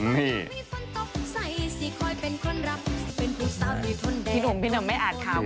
นี่คุณละคนกัน